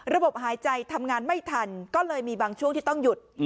หายใจทำงานไม่ทันก็เลยมีบางช่วงที่ต้องหยุด